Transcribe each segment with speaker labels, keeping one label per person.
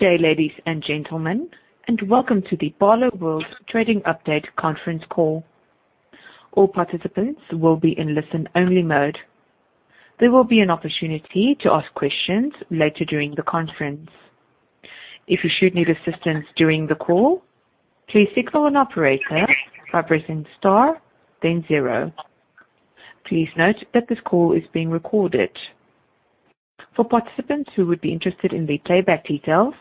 Speaker 1: Good day, ladies and gentlemen, and welcome to the Barloworld Trading Update Conference Call. All participants will be in listen-only mode. There will be an opportunity to ask questions later during the conference. If you should need assistance during the call, please signal an operator by pressing star then zero. Please note that this call is being recorded. For participants who would be interested in the playback details,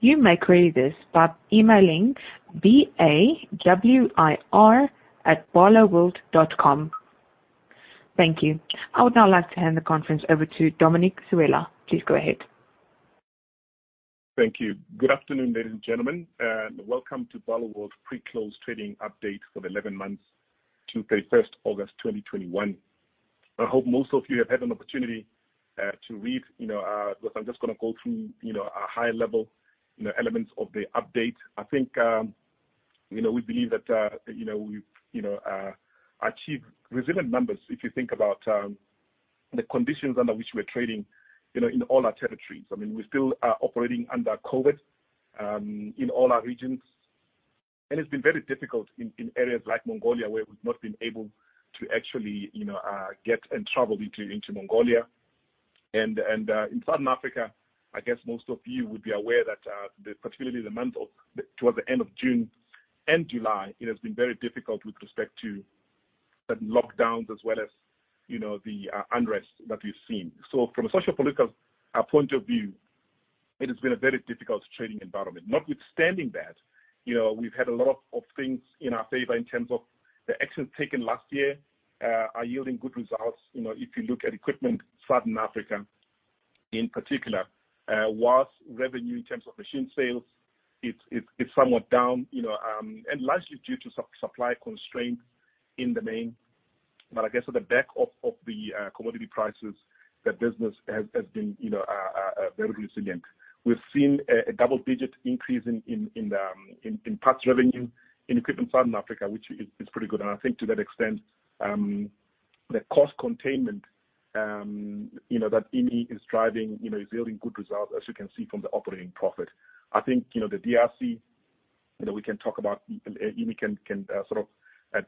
Speaker 1: you may query this by emailing bawir@barloworld.com. Thank you. I would now like to hand the conference over to Dominic Sewela. Please go ahead.
Speaker 2: Thank you. Good afternoon, ladies and gentlemen, and welcome to Barloworld's pre-close trading update for the 11 months to 31st August 2021. I hope most of you have had an opportunity to read. I'm just going to go through high-level elements of the update. We believe that we've achieved resilient numbers, if you think about the conditions under which we're trading in all our territories. We still are operating under COVID in all our regions, and it's been very difficult in areas like Mongolia, where we've not been able to actually get and travel into Mongolia. In Southern Africa, I guess most of you would be aware that, particularly towards the end of June and July, it has been very difficult with respect to lockdowns as well as the unrest that we've seen. From a sociopolitical point of view, it has been a very difficult trading environment. Notwithstanding that, we've had a lot of things in our favor in terms of the actions taken last year are yielding good results. If you look at Equipment Southern Africa, in particular, whilst revenue in terms of machine sales, it's somewhat down, largely due to supply constraints in the main. I guess at the back of the commodity prices, that business has been very resilient. We've seen a double-digit increase in parts revenue in Equipment Southern Africa, which is pretty good. I think to that extent, the cost containment that Emmy is driving, is yielding good results, as you can see from the operating profit. I think the DRC, Emmy can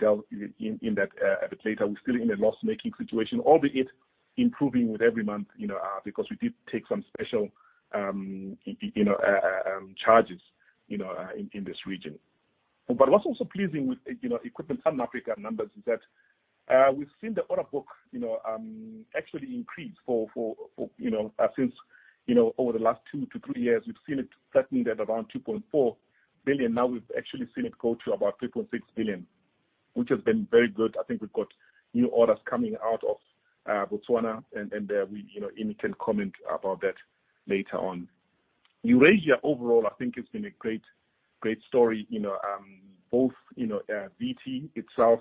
Speaker 2: delve in that a bit later. We're still in a loss-making situation, albeit improving with every month, because we did take some special charges in this region. What's also pleasing with Equipment Southern Africa numbers is that we've seen the order book actually increase since over the last two to three years. We've seen it settling at around 2.4 billion. We've actually seen it go to about 3.6 billion, which has been very good. I think we've got new orders coming out of Botswana, and Emmy can comment about that later on. Eurasia, overall, I think has been a great story. Both VT itself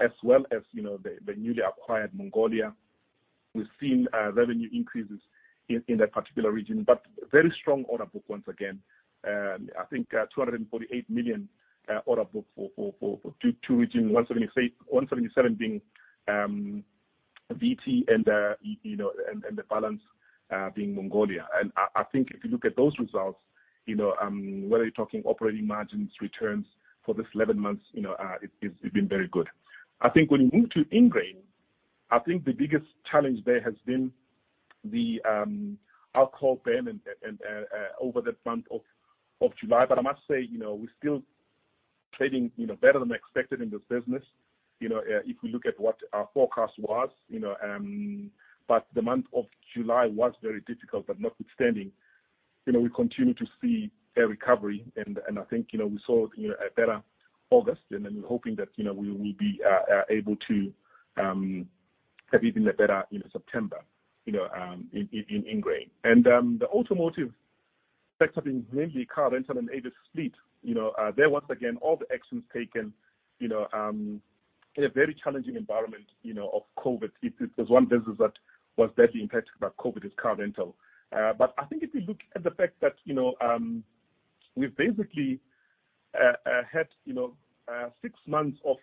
Speaker 2: as well as the newly acquired Mongolia. We've seen revenue increases in that particular region, but very strong order book once again. I think 248 million order book for two regions, 177 million being VT and the balance being Mongolia. I think if you look at those results, whether you're talking operating margins, returns for this 11 months, it's been very good. I think when you move to Ingrain, I think the biggest challenge there has been the alcohol ban over the month of July. I must say, we're still trading better than expected in this business, if we look at what our forecast was. The month of July was very difficult, but notwithstanding, we continue to see a recovery, and I think we saw a better August, and then we're hoping that we will be able to have even a better September in Ingrain. The Automotive sector being mainly car rental and Avis Fleet. There, once again, all the actions taken in a very challenging environment of COVID. If there's one business that was badly impacted by COVID, it's car rental. I think if we look at the fact that we've basically had six months of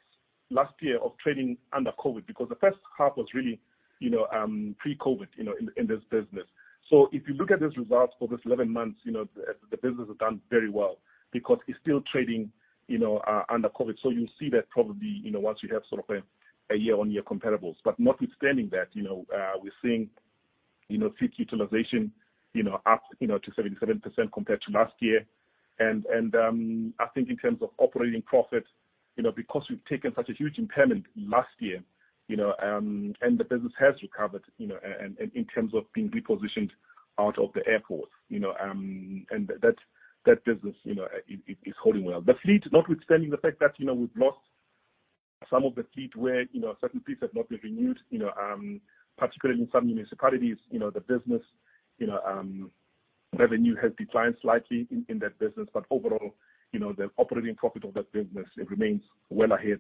Speaker 2: last year of trading under COVID, because the first half was really pre-COVID in this business. If you look at these results for this 11 months, the business has done very well because it's still trading under COVID. You'll see that probably once we have sort of a year-on-year comparables. Notwithstanding that, we're seeing fleet utilization up to 77% compared to last year. I think in terms of operating profit, because we've taken such a huge impairment last year, and the business has recovered, and in terms of being repositioned out of the airports, and that business is holding well. The fleet, notwithstanding the fact that we've lost some of the fleet where certain fleets have not been renewed, particularly in some municipalities, the revenue has declined slightly in that business. Overall, the operating profit of that business remains well ahead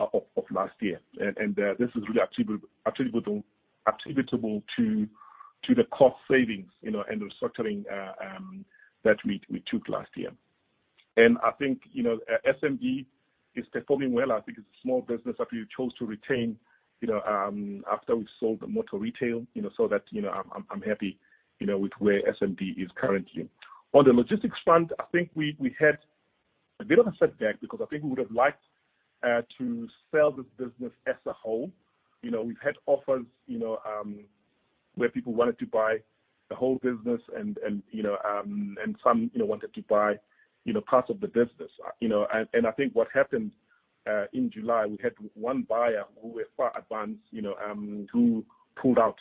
Speaker 2: of last year. This is really attributable to the cost savings and the structuring that we took last year. I think SMD is performing well, I think it's a small business that we chose to retain after we've sold the motor retail, so that I'm happy with where SMD is currently. On the logistics front, I think we had a bit of a setback, because I think we would've liked to sell this business as a whole. We've had offers, where people wanted to buy the whole business and some wanted to buy parts of the business. I think what happened, in July, we had one buyer who were far advanced, who pulled out,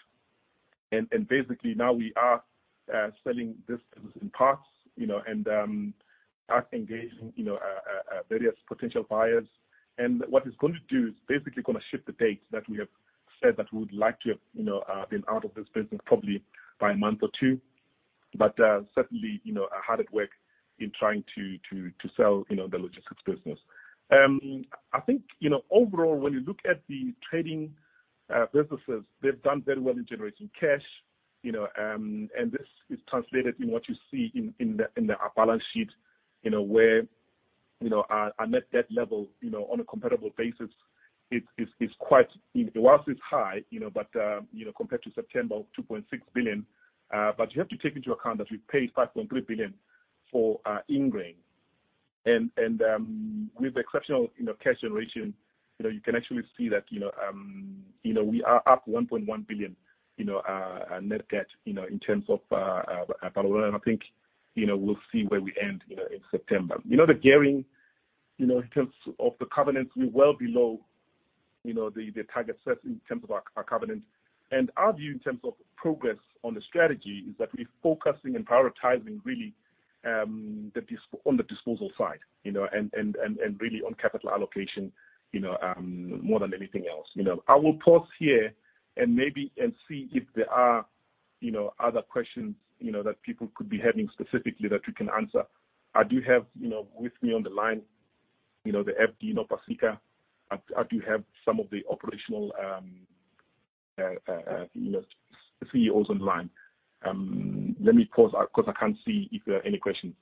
Speaker 2: and basically now we are selling this business in parts, and are engaging various potential buyers. What it's going to do, it's basically going to shift the dates that we have said that we would like to have been out of this business probably by a month or two. Certainly, are hard at work in trying to sell the logistics business. I think, overall, when you look at the trading businesses, they've done very well in generating cash. This is translated in what you see in our balance sheet, where our net debt level on a comparable basis, whilst it's high, but compared to September, 2.6 billion. You have to take into account that we paid 5.3 billion for Ingrain. With the exceptional cash generation, you can actually see that we are up 1.1 billion net debt in terms of our balance. I think we'll see where we end in September. The gearing, in terms of the covenants, we're well below the target set in terms of our covenant. Our view in terms of progress on the strategy is that we're focusing and prioritizing really on the disposal side, and really on capital allocation, more than anything else. I will pause here and see if there are other questions that people could be having specifically that we can answer. I do have with me on the line, the FD, Nopasika. I do have some of the operational CEOs on the line. Let me pause, because I can't see if there are any questions.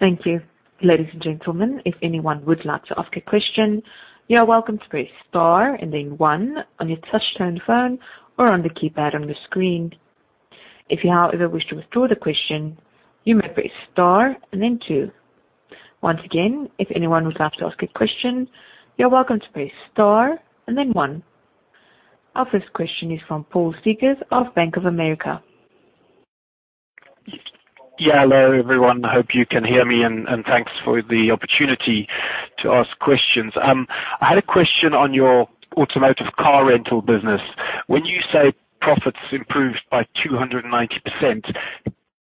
Speaker 1: Thank you. Ladies and gentlemen, if anyone would like to ask a question, you are welcome to press star and then one on your touchtone phone or on the keypad on the screen. If you, however, wish to withdraw the question, you may press star and then two. Once again, if anyone would like to ask a question, you're welcome to press star and then one. Our first question is from Paul Steegers of Bank of America.
Speaker 3: Yeah, hello, everyone. Hope you can hear me, and thanks for the opportunity to ask questions. I had a question on your automotive car rental business. When you say profits improved by 290%,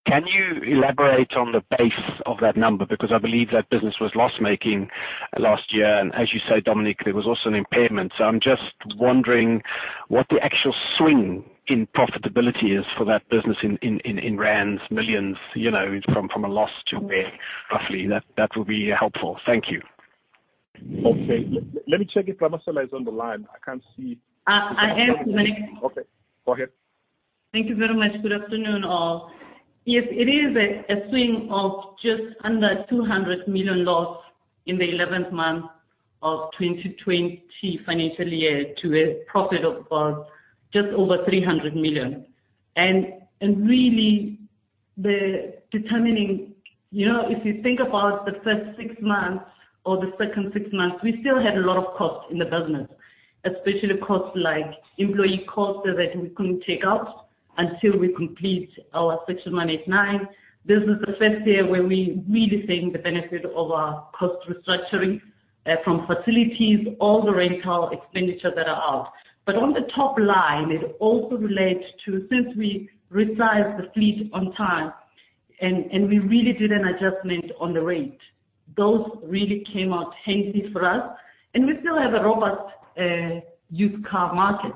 Speaker 3: can you elaborate on the base of that number? I believe that business was loss-making last year, and as you say, Dominic, there was also an impairment. I'm just wondering what the actual swing in profitability is for that business in Rand millions, from a loss to there, roughly. That would be helpful. Thank you.
Speaker 2: Okay. Let me check if Ramasela is on the line. I can't see.
Speaker 4: I am Dominic.
Speaker 2: Okay. Go ahead.
Speaker 4: Thank you very much. Good afternoon, all. Yes, it is a swing of just under ZAR 200 million loss in the 11th month of 2020 financial year to a profit of just over 300 million. Really, the determining, if you think about the first six months or the second six months, we still had a lot of costs in the business, especially costs like employee costs that we couldn't take out until we complete our Section 189. This is the first year where we're really seeing the benefit of our cost restructuring, from facilities, all the rental expenditure that are out. On the top line, it also relates to, since we resized the fleet on time and we really did an adjustment on the rate. Those really came out handy for us. We still have a robust used car market,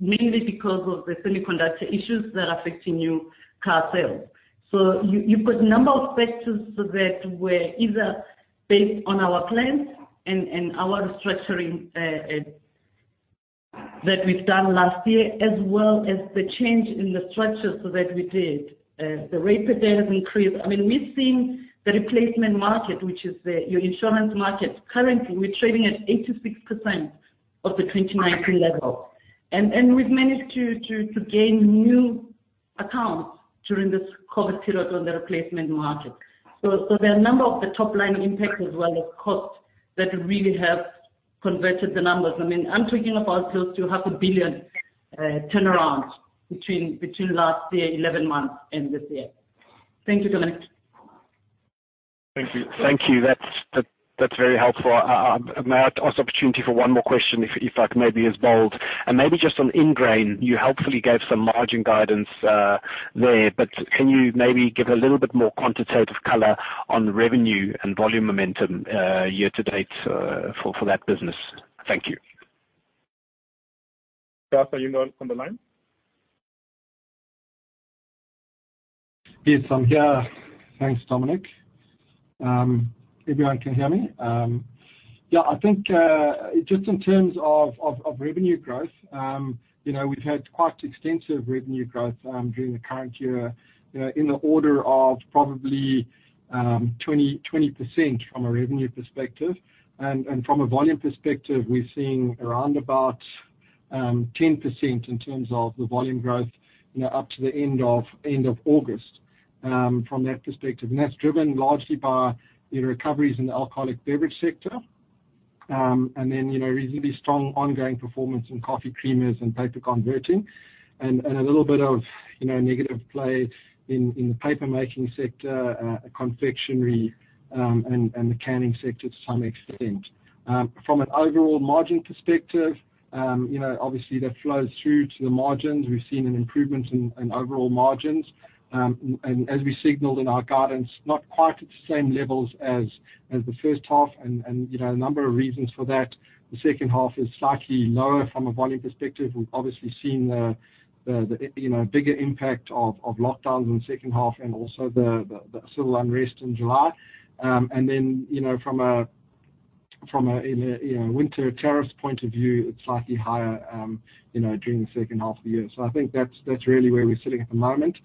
Speaker 4: mainly because of the semiconductor issues that are affecting new car sales. You've got a number of factors that were either based on our plans and our restructuring that we've done last year, as well as the change in the structures that we did. The repair has increased. We're seeing the replacement market, which is your insurance market. Currently, we're trading at 86% of the 2019 level. We've managed to gain new accounts during this COVID period on the replacement market. There are a number of the top-line impacts as well as costs that really have converted the numbers. I'm talking about close to 500 million turnaround between last year, 11 months, and this year. Thank you, Dominic.
Speaker 3: Thank you. That's very helpful. May I ask opportunity for one more question, if I may be as bold? Maybe just on Ingrain, you helpfully gave some margin guidance there, but can you maybe give a little bit more quantitative color on revenue and volume momentum year to date for that business? Thank you.
Speaker 2: Charles, are you now on the line?
Speaker 5: Yes, I'm here. Thanks, Dominic. Everyone can hear me? Yeah, I think, just in terms of revenue growth, we've had quite extensive revenue growth during the current year, in the order of probably 20% from a revenue perspective. From a volume perspective, we're seeing around about 10% in terms of the volume growth up to the end of August from that perspective. That's driven largely by the recoveries in the alcoholic beverage sector. Reasonably strong ongoing performance in coffee creamers and paper converting. A little bit of negative play in the paper making sector, confectionery, and the canning sector to some extent. From an overall margin perspective, obviously that flows through to the margins. We've seen an improvement in overall margins. As we signaled in our guidance, not quite at the same levels as the first half, and a number of reasons for that. The second half is slightly lower from a volume perspective. We've obviously seen the bigger impact of lockdowns in the second half, and also the civil unrest in July. From a winter tariffs point of view, it's slightly higher during the second half of the year. I think that's really where we're sitting at the moment.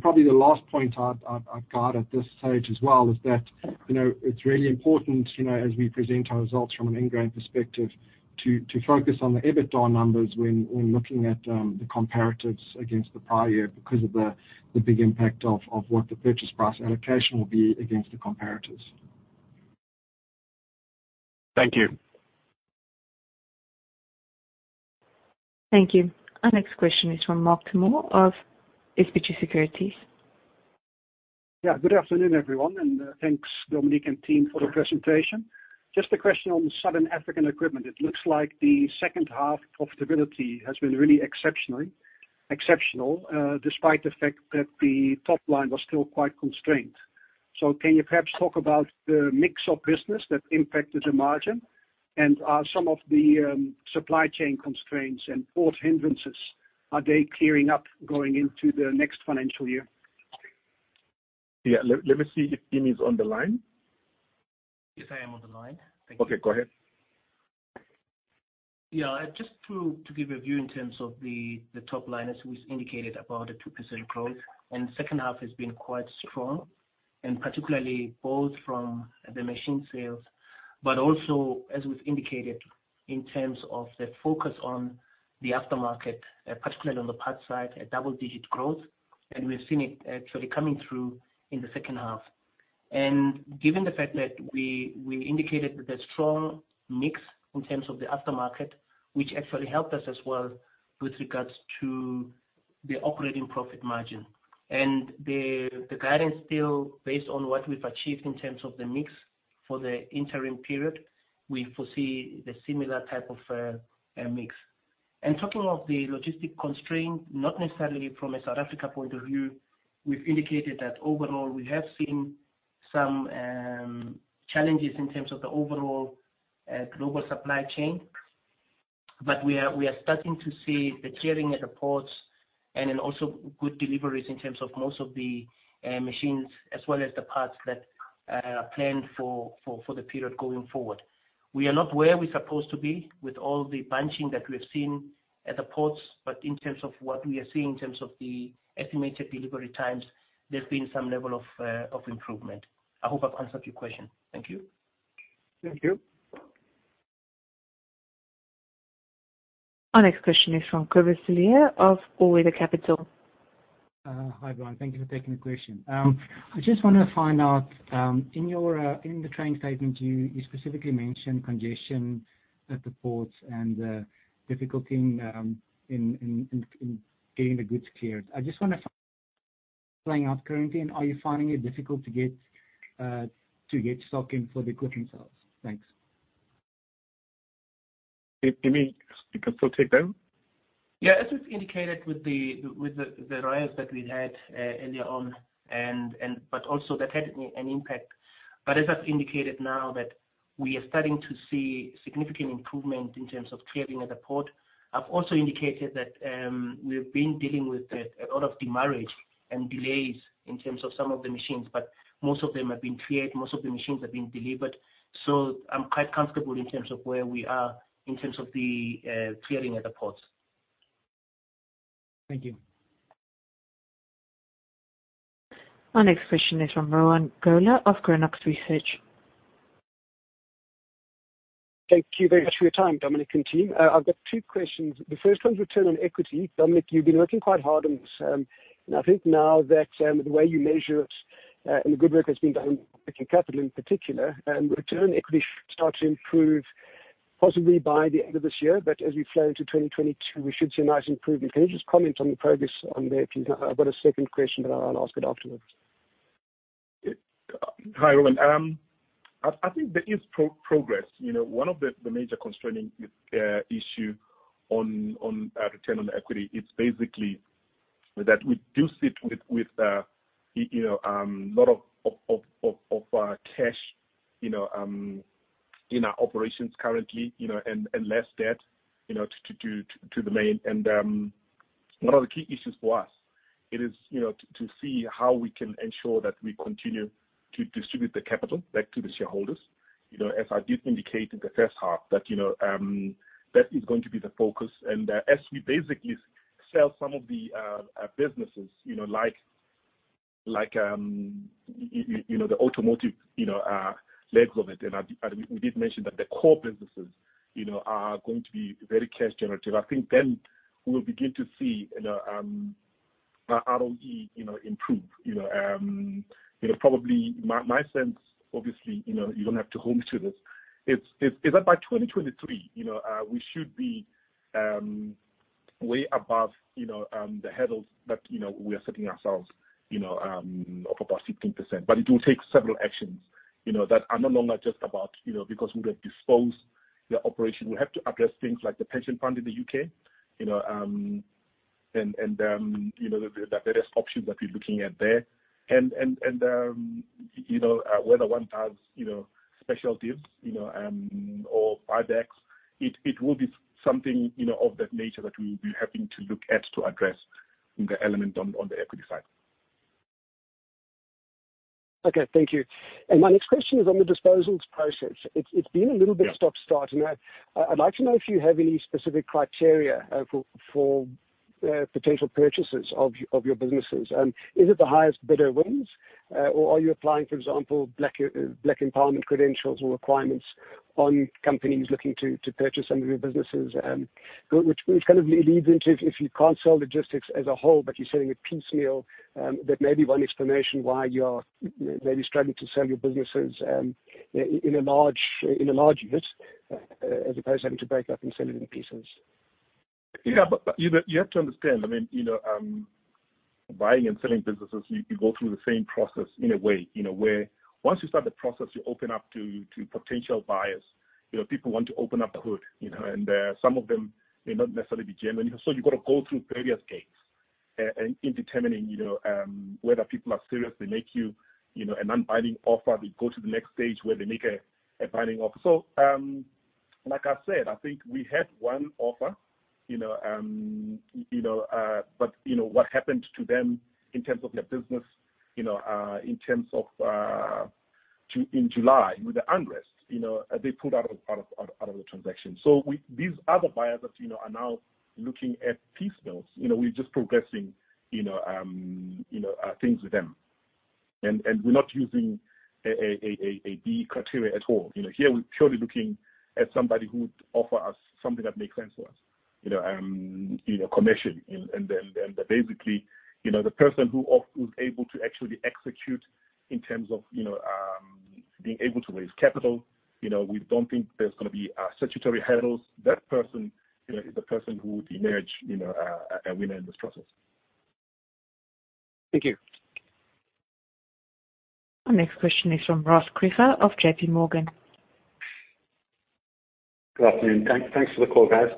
Speaker 5: Probably the last point I've got at this stage as well is that it's really important, as we present our results from an ongoing perspective, to focus on the EBITDA numbers when looking at the comparatives against the prior year because of the big impact of what the purchase price allocation will be against the comparatives.
Speaker 3: Thank you.
Speaker 1: Thank you. Our next question is from Mark ter Mors of SBG Securities.
Speaker 6: Yeah. Good afternoon, everyone, and thanks Dominic and team for the presentation. Just a question on the Southern African equipment. It looks like the second half profitability has been really exceptional, despite the fact that the top line was still quite constrained. Can you perhaps talk about the mix of business that impacted the margin? Are some of the supply chain constraints and port hindrances, are they clearing up going into the next financial year?
Speaker 2: Yeah. Let me see if Emmy is on the line.
Speaker 7: Yes, I am on the line. Thank you.
Speaker 2: Okay, go ahead.
Speaker 7: Yeah. Just to give a view in terms of the top line, as we've indicated, about a 2% growth. Second half has been quite strong, and particularly both from the machine sales, but also, as we've indicated, in terms of the focus on the aftermarket, particularly on the parts side, a double-digit growth. We've seen it actually coming through in the second half. Given the fact that we indicated the strong mix in terms of the aftermarket, which actually helped us as well with regards to the operating profit margin. The guidance still based on what we've achieved in terms of the mix for the interim period. We foresee the similar type of mix. Talking of the logistic constraint, not necessarily from a South Africa point of view, we've indicated that overall, we have seen some challenges in terms of the overall global supply chain. We are starting to see the clearing at the ports and then also good deliveries in terms of most of the machines as well as the parts that are planned for the period going forward. We are not where we're supposed to be with all the bunching that we've seen at the ports. In terms of what we are seeing in terms of the estimated delivery times, there's been some level of improvement. I hope I've answered your question. Thank you.
Speaker 6: Thank you.
Speaker 1: Our next question is from Cobus Cilliers of All Weather Capital.
Speaker 8: Hi, everyone. Thank you for taking the question. I just want to find out, in the trading statement, you specifically mentioned congestion at the ports and difficulty in getting the goods cleared. I just want to find out playing out currently, and are you finding it difficult to get stock in for the equipment sales? Thanks.
Speaker 2: Emmy, you can still take that one.
Speaker 7: Yeah. As we've indicated with the riots that we had earlier on, but also that had an impact. As I've indicated now that we are starting to see significant improvement in terms of clearing at the port. I've also indicated that we've been dealing with a lot of demurrage and delays in terms of some of the machines, but most of them have been cleared, most of the machines have been delivered. I'm quite comfortable in terms of where we are in terms of the clearing at the ports.
Speaker 8: Thank you.
Speaker 1: Our next question is from Rowan Goeller of Chronux Research.
Speaker 9: Thank you very much for your time, Dominic and team. I've got two questions. The first one's return on equity. Dominic, you've been working quite hard on this. I think now that the way you measure it, and the good work that's been done with your capital in particular, return on equity should start to improve possibly by the end of this year. As we flow into 2022, we should see a nice improvement. Can you just comment on the progress on there, please? I've got a second question, but I'll ask it afterwards.
Speaker 2: Hi, Rowan. I think there is progress. One of the major constraining issue on return on equity, it's basically that we do sit with a lot of cash in our operations currently, and less debt. One of the key issues for us, it is to see how we can ensure that we continue to distribute the capital back to the shareholders. As I did indicate in the first half, that is going to be the focus. As we basically sell some of the businesses, like the automotive legs of it, and we did mention that the core businesses are going to be very cash generative. I think then we will begin to see our ROE improve. Probably my sense, obviously, you do not have to hold me to this, is that by 2023, we should be way above the hurdles that we are setting ourselves, of above 15%. It will take several actions that are no longer just about, because we have disposed the operation. We have to address things like the pension fund in the U.K., and the various options that we're looking at there. Whether one does special divs or buybacks, it will be something of that nature that we'll be having to look at to address the element on the equity side.
Speaker 9: Okay. Thank you. My next question is on the disposals process. It's been a little bit stop-start, and I'd like to know if you have any specific criteria for potential purchasers of your businesses. Is it the highest bidder wins, or are you applying, for example, Black Empowerment credentials or requirements on companies looking to purchase some of your businesses? This kind of leads into, if you can't sell logistics as a whole, but you're selling it piecemeal, that may be one explanation why you are maybe struggling to sell your businesses in a large bit, as opposed to having to break up and sell it in pieces.
Speaker 2: Yeah. You have to understand, buying and selling businesses, you go through the same process in a way. Where once you start the process, you open up to potential buyers. People want to open up the hood, and some of them may not necessarily be genuine. You've got to go through various gates in determining whether people are serious. They make you an unbinding offer. We go to the next stage, where they make a binding offer. Like I said, I think we had one offer. What happened to them in terms of their business, in July, with the unrest, they pulled out of the transaction. These other buyers that you know are now looking at piecemeals, we're just progressing things with them. We're not using a BEE criteria at all. Here, we're purely looking at somebody who would offer us something that makes sense for us, commission. Basically, the person who's able to actually execute in terms of being able to raise capital. We don't think there's going to be statutory hurdles. That person is the person who would emerge a winner in this process.
Speaker 9: Thank you.
Speaker 1: Our next question is from Ross Krige of JPMorgan.
Speaker 10: Good afternoon. Thanks for the call, guys.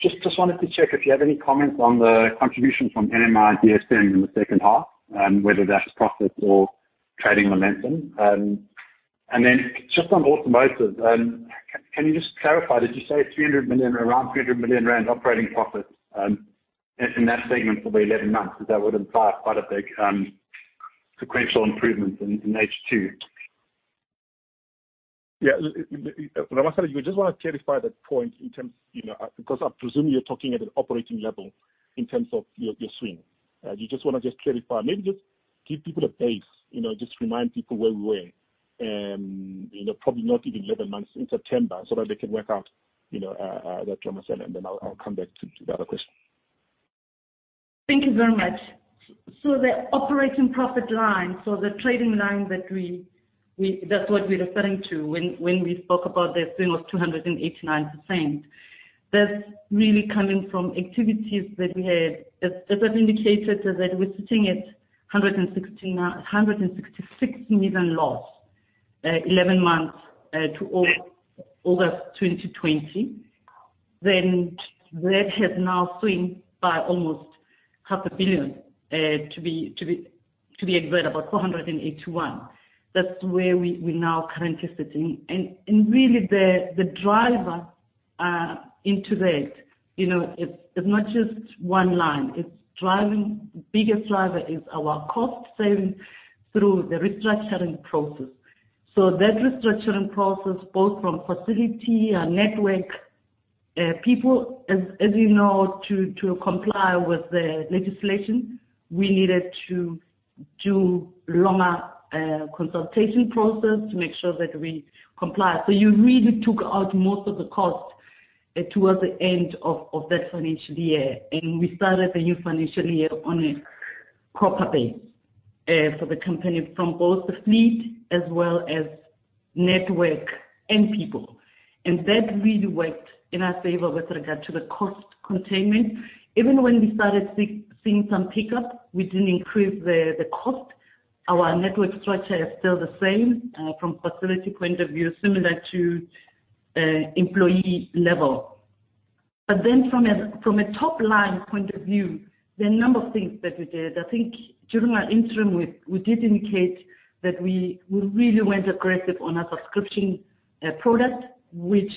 Speaker 10: Just wanted to check if you have any comments on the contribution from NMI-DSM in the second half, whether that's profit or trading momentum. Then just on automotive, can you just clarify, did you say around 300 million rand operating profit in that segment for the 11 months? That would imply quite a big sequential improvement in H2.
Speaker 2: Yeah. Ramasela, do you just want to clarify that point. I presume you're talking at an operating level in terms of your swing. Do you just want to clarify, maybe just give people a base, just remind people where we were, probably not even 11 months, in September, so that they can work out that Ramasela. Then I'll come back to the other question.
Speaker 4: Thank you very much. The operating profit line, the trading line that's what we're referring to when we spoke about the swing of 289%. That's really coming from activities that we had. As I've indicated, that we're sitting at 166 million loss, 11 months to August 2020. That has now swinged by almost 500 million, to be exact, about 481 million. That's where we now currently sitting. Really, the driver into that, it's not just one line. The biggest driver is our cost saving through the restructuring process. That restructuring process, both from facility, our network, people, as you know, to comply with the legislation, we needed to do longer consultation process to make sure that we comply. You really took out most of the cost towards the end of that financial year. We started the new financial year on a proper base for the company from both the fleet as well as network and people. That really worked in our favor with regard to the cost containment. Even when we started seeing some pickup, we didn't increase the cost. Our network structure is still the same from facility point of view, similar to employee level. From a top-line point of view, there are a number of things that we did. I think during our interim, we did indicate that we really went aggressive on our subscription product, which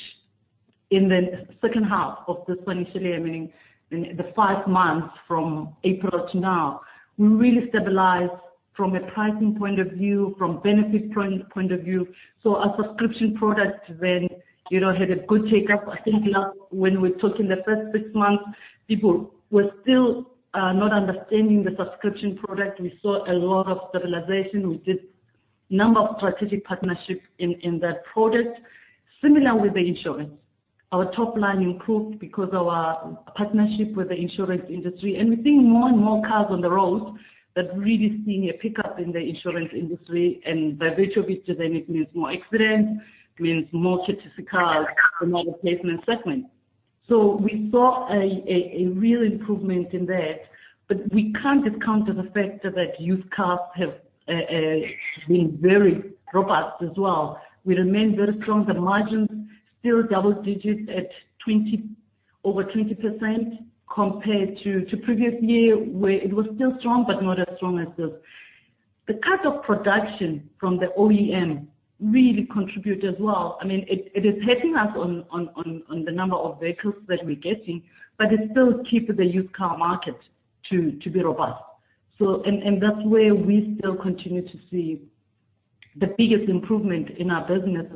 Speaker 4: in the second half of this financial year, meaning the five months from April to now, we really stabilized from a pricing point of view, from benefit point of view. Our subscription product then had a good take-up. I think when we talked in the first six months, people were still not understanding the subscription product. We saw a lot of stabilization. We did number of strategic partnerships in that product. Similar with the insurance. Our top line improved because of our partnership with the insurance industry, and we're seeing more and more cars on the road that really seeing a pickup in the insurance industry, and by virtue of it, then it means more accidents, means more certified, and more replacement settlement. We saw a real improvement in that. We can't discount the fact that used cars have been very robust as well. We remain very strong. The margins still double-digits at over 20% compared to previous year, where it was still strong, but not as strong as this. The cut of production from the OEM really contribute as well. It is hitting us on the number of vehicles that we're getting. It still keeps the used car market to be robust. That's where we still continue to see the biggest improvement in our business.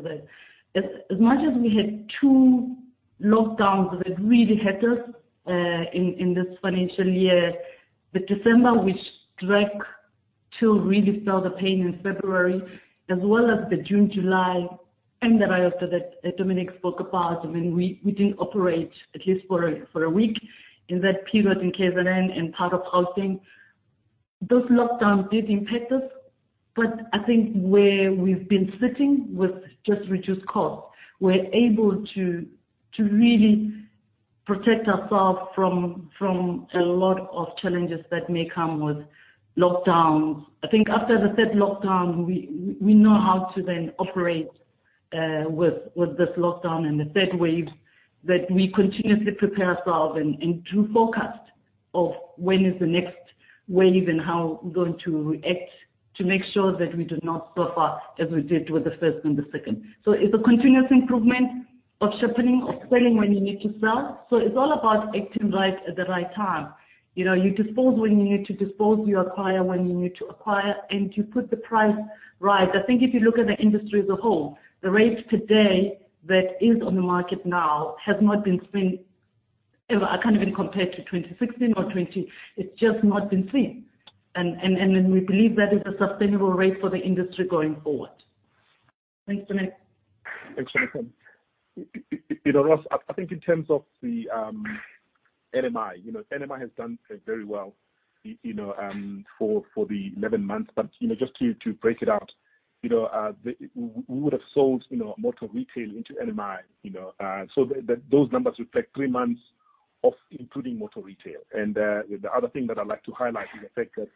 Speaker 4: As much as we had two lockdowns that really hit us in this financial year, the December strike really felt the pain in February, as well as the June, July unrest that Dominic spoke about. We didn't operate, at least for a week in that period in KwaZulu-Natal and part of Gauteng. Those lockdowns did impact us. I think where we've been sitting with just reduced costs, we're able to really protect ourselves from a lot of challenges that may come with lockdowns. I think after the third lockdown, we know how to then operate with this lockdown and the third wave, that we continuously prepare ourselves and do forecast of when is the next wave and how we're going to act to make sure that we do not suffer as we did with the first and the second. It's a continuous improvement of sharpening, of selling when you need to sell. It's all about acting right at the right time. You dispose when you need to dispose, you acquire when you need to acquire, and you put the price right. I think if you look at the industry as a whole, the rates today that is on the market now, I can't even compare to 2016 or 2020. It's just not been seen. We believe that is a sustainable rate for the industry going forward. Thanks, Dominic.
Speaker 2: Thanks, Ramasela. Ross, I think in terms of the NMI has done very well for the 11 months. Just to break it out, we would have sold motor retail into NMI. Those numbers reflect three months of including motor retail. The other thing that I'd like to highlight is the fact that,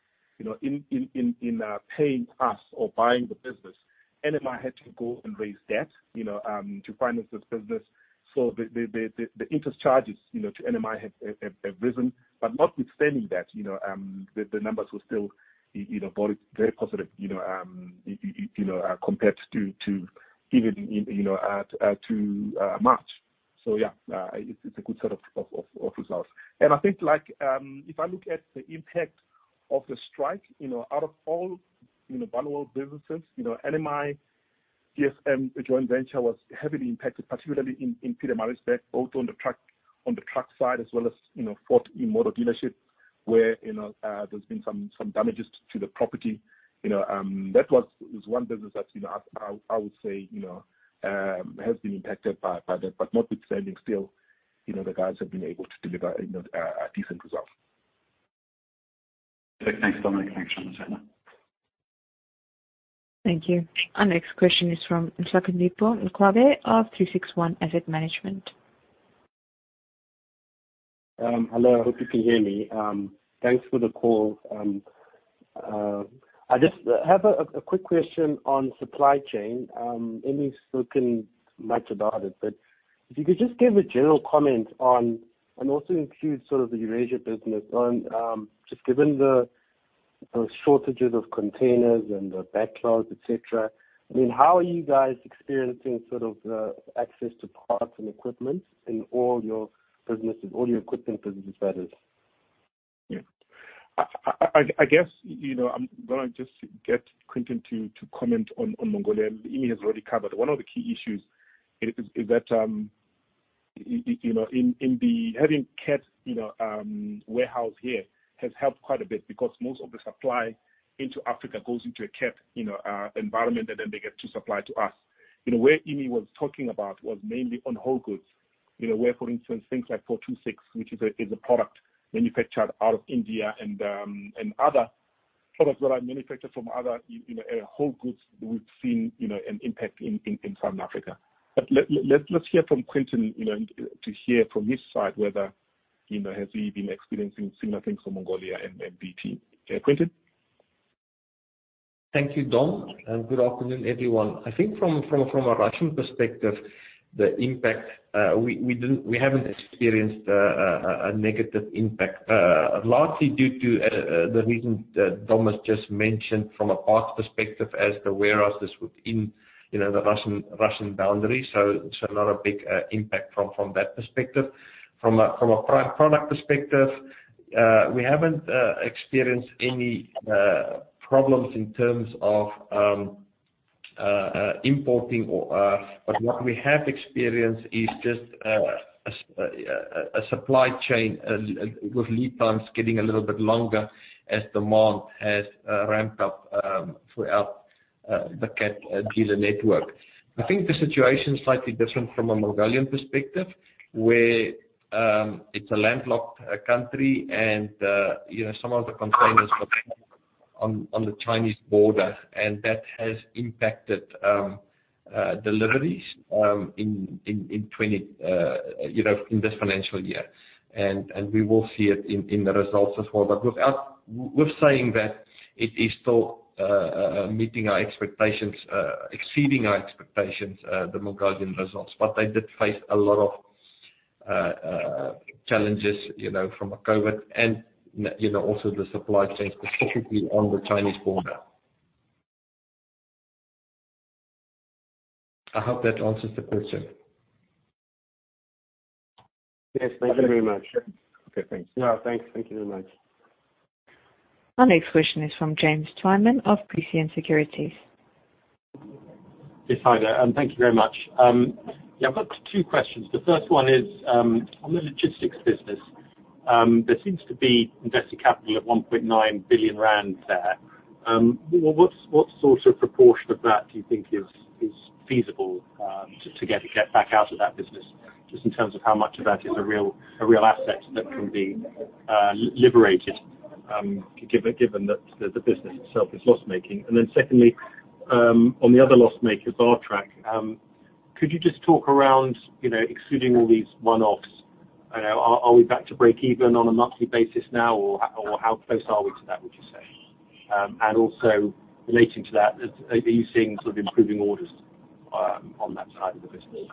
Speaker 2: in paying us or buying the business, NMI had to go and raise debt to finance this business. The interest charges to NMI have risen, but notwithstanding that, the numbers were still very positive compared to March. Yeah, it's a good set of results. I think if I look at the impact of the strike, out of all Barloworld businesses, NMI-DSM joint venture was heavily impacted, particularly in Pietermaritzburg, both on the truck side as well as Ford in motor dealership, where there's been some damages to the property. That was one business that I would say has been impacted by that. Notwithstanding, still the guys have been able to deliver a decent result.
Speaker 10: Perfect. Thanks, Dominic. Thanks, Ramasela.
Speaker 1: Thank you. Our next question is from Nhlakanipho Mncwabe of 36ONE Asset Management.
Speaker 11: Hello, hope you can hear me. Thanks for the call. I just have a quick question on supply chain. Emmy's spoken much about it, but if you could just give a general comment on, and also include sort of the Eurasia business on, just given the shortages of containers and the backlogs, et cetera. How are you guys experiencing sort of the access to parts and equipment in all your businesses, all your equipment businesses, that is?
Speaker 2: I guess I'm going to just get Quinton to comment on Mongolia. Emmy has already covered. One of the key issues is that, having Cat warehouse here has helped quite a bit because most of the supply into Africa goes into a Cat environment, and then they get to supply to us. Where Emmy was talking about was mainly on whole goods, where, for instance, things like Cat 426, which is a product manufactured out of India and other products that are manufactured from other whole goods we've seen an impact in Southern Africa. Let's hear from Quinton, to hear from his side whether, has he been experiencing similar things from Mongolia and Vostochnaya Technica. Quinton?
Speaker 12: Thank you, Dom, good afternoon, everyone. I think from a Russian perspective, we haven't experienced a negative impact, largely due to the reason that Dom has just mentioned from a parts perspective as the warehouses within the Russian boundaries. Not a big impact from that perspective. From a product perspective, we haven't experienced any problems in terms of importing. What we have experienced is just a supply chain with lead times getting a little bit longer as demand has ramped up throughout the Cat dealer network. I think the situation is slightly different from a Mongolian perspective, where it's a landlocked country and some of the containers were on the Chinese border, and that has impacted deliveries in this financial year. We will see it in the results as well. With saying that, it is still meeting our expectations, exceeding our expectations, the Mongolian results. They did face a lot of challenges from COVID and also the supply chain, specifically on the Chinese border. I hope that answers the question.
Speaker 11: Yes, thank you very much.
Speaker 2: Okay, thanks.
Speaker 12: No, thanks. Thank you very much.
Speaker 1: Our next question is from James Twyman of Prescient Securities.
Speaker 13: Yes. Hi there, thank you very much. I've got two questions. The first one is, on the logistics business, there seems to be invested capital at 1.9 billion rand there. What sort of proportion of that do you think is feasible to get back out of that business, just in terms of how much of that is a real asset that can be liberated, given that the business itself is loss-making. Secondly, on the other loss-makers, Bartrac, could you just talk around excluding all these one-offs? Are we back to breakeven on a monthly basis now, or how close are we to that, would you say? Also relating to that, are you seeing sort of improving orders on that side of the business?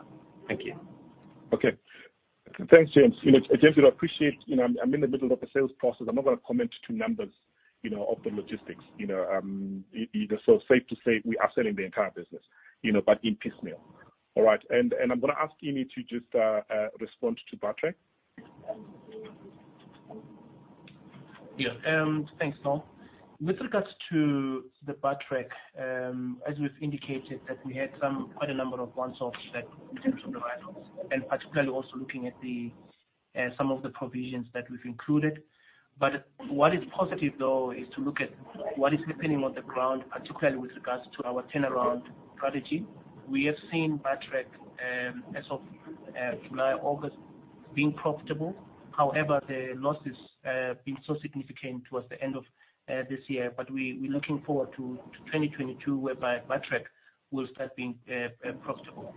Speaker 13: Thank you.
Speaker 2: Okay. Thanks, James. James, I appreciate I'm in the middle of a sales process. I'm not going to comment to numbers of the logistics. It is safe to say we are selling the entire business, but in piecemeal. All right. I'm going to ask Emmy to just respond to Bartrac.
Speaker 7: Yeah. Thanks, Dom. With regards to the Bartrac, as we've indicated that we had quite a number of one-offs that in terms of the write-offs, particularly also looking at some of the provisions that we've included. What is positive, though, is to look at what is happening on the ground, particularly with regards to our turnaround strategy. We have seen Bartrac, as of July, August, being profitable. However, the losses have been so significant towards the end of this year. We're looking forward to 2022, whereby Bartrac will start being profitable.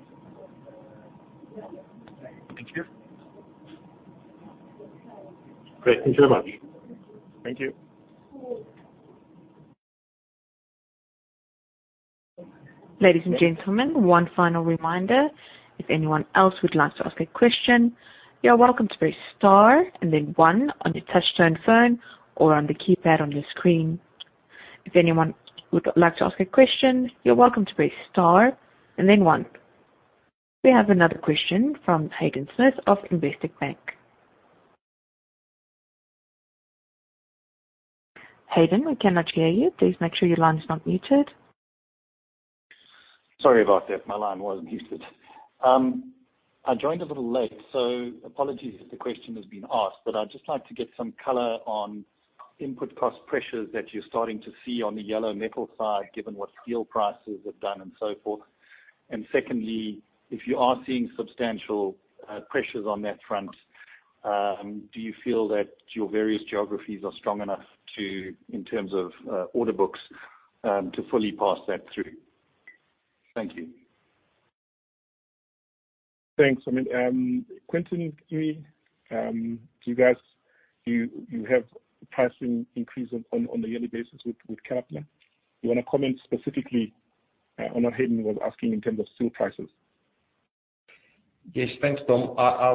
Speaker 2: Thank you.
Speaker 13: Great. Thank you very much.
Speaker 2: Thank you.
Speaker 1: Ladies and gentlemen, one final reminder. If anyone else would like to ask a question, you are welcome to press star and then one on your touch-tone phone or on the keypad on your screen. If anyone would like to ask a question, you are welcome to press star and then one. We have another question from Hayden Smith of Investec Bank. Hayden, we cannot hear you. Please make sure your line is not muted.
Speaker 14: Sorry about that. My line was muted. I joined a little late. Apologies if the question has been asked, but I'd just like to get some color on input cost pressures that you're starting to see on the yellow metal side, given what steel prices have done and so forth. Secondly, if you are seeing substantial pressures on that front, do you feel that your various geographies are strong enough in terms of order books to fully pass that through? Thank you.
Speaker 2: Thanks. Quinton, Emmy, do you guys have pricing increases on a yearly basis with Caterpillar? Do you want to comment specifically on what Hayden was asking in terms of steel prices?
Speaker 12: Thanks, Dom. I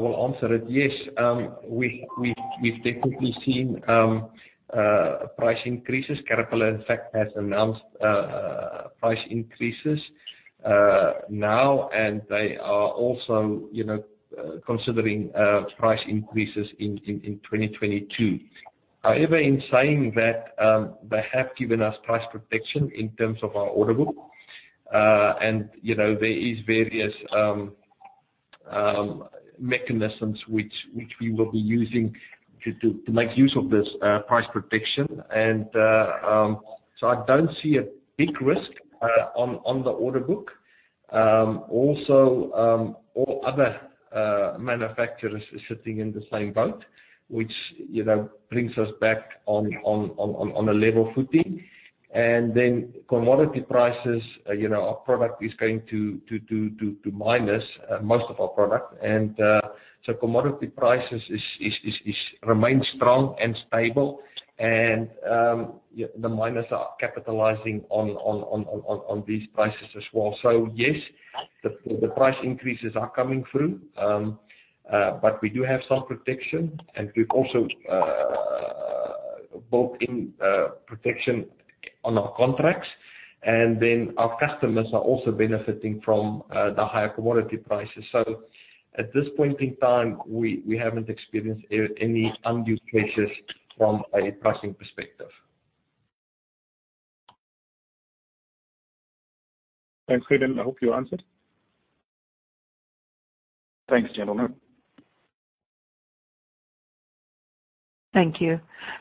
Speaker 12: will answer it. We've definitely seen price increases. Caterpillar, in fact, has announced price increases now, and they are also considering price increases in 2022. In saying that, they have given us price protection in terms of our order book. There is various mechanisms which we will be using to make use of this price protection. I don't see a big risk on the order book. Also, all other manufacturers are sitting in the same boat, which brings us back on a level footing. Commodity prices, our product is going to miners, most of our product. Commodity prices remain strong and stable, and the miners are capitalizing on these prices as well. Yes, the price increases are coming through. We do have some protection, and we've also built in protection on our contracts. Our customers are also benefiting from the higher commodity prices. At this point in time, we haven't experienced any undue pressures from a pricing perspective.
Speaker 2: Thanks, Hayden. I hope you answered.
Speaker 14: Thanks, gentlemen.
Speaker 1: Thank you.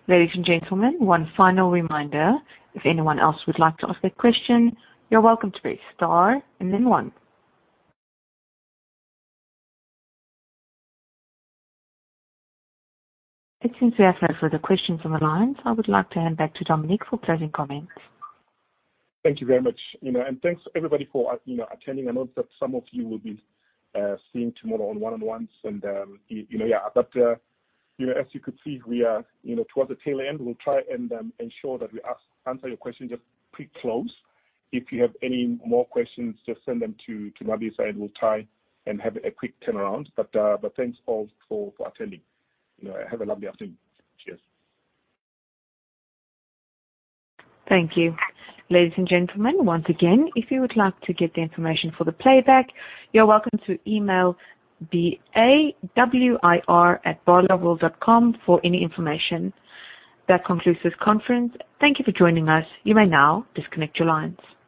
Speaker 1: Ladies and gentlemen, one final reminder. If anyone else would like to ask a question, you're welcome to press star and then one. It seems we have no further questions on the line, I would like to hand back to Dominic for closing comments.
Speaker 2: Thank you very much. Thanks everybody for attending. I know that some of you will be seeing tomorrow on one-on-ones and, yeah. As you could see, we are towards the tail end. We'll try and ensure that we answer your question just quick close. If you have any more questions, just send them to Madisha and we'll try and have a quick turnaround. Thanks all for attending. Have a lovely afternoon. Cheers.
Speaker 1: Thank you. Ladies and gentlemen, once again, if you would like to get the information for the playback, you're welcome to email bawir@barloworld.com for any information. That concludes this conference. Thank you for joining us. You may now disconnect your lines.